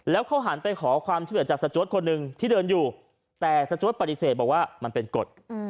แล้วเขาหันไปขอความช่วยเหลือจากสจวดคนหนึ่งที่เดินอยู่แต่สจวดปฏิเสธบอกว่ามันเป็นกฎ